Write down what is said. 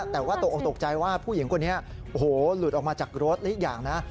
แต่คือผมตกใจว่าพี่ผู้หญิงคนนี้หลุดออกมาจากรถอีกอย่างนะ